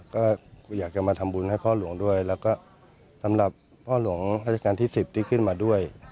ก็อยากจะมาทำบุญให้พ่อหลวงด้วยแล้วก็สำหรับพ่อหลวงราชการที่๑๐ที่ขึ้นมาด้วย